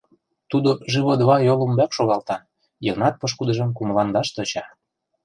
Тудо живо-два йол ӱмбак шогалта, — Йыгнат пошкудыжым кумылаҥдаш тӧча.